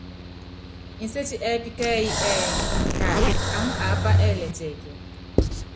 Nsétí ɛ́ɛ́pí kɛ́ɛ́yí ɛ́ɛ́: Taat aŋú aápa ɛɛlɛ tiɛkíɛ?